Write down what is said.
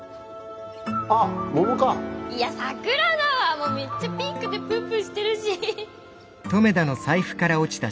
もうめっちゃピンクでプンプンしてるし。